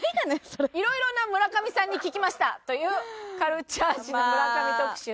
色々な村上さんに聞きました」というカルチャー誌の村上特集。